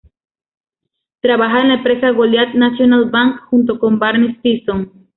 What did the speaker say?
Trabaja en la empresa "Goliath National Bank" junto con Barney Stinson.